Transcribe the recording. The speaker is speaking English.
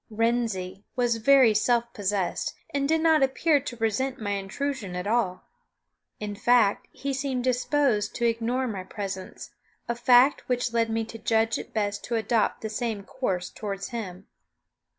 "Wrensie" was very self possessed, and did not appear to resent my intrusion at all. In fact, he seemed disposed to ignore my presence, a fact which led me to judge it best to adopt the same course toward him.